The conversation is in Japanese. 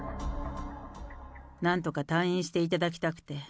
なんとか退院していただきたくて。